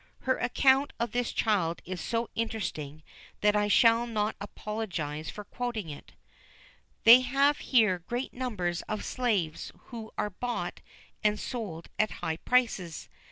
Her account of this child is so interesting that I shall not apologise for quoting it: "They have here great numbers of slaves who are bought and sold at high prices.